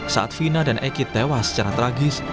saat fina dan eki tewas secara tragis